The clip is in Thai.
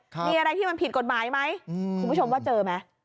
มีอะไรที่มันผิดกฎหมายไหมคุณผู้ชมว่าเจอไหม